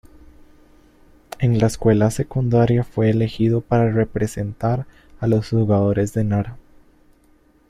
En la escuela secundaria fue elegido para representar a los jugadores de Nara.